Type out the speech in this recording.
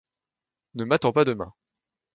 Ne m’attends pas demain.